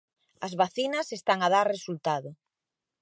As vacinas están a dar resultado.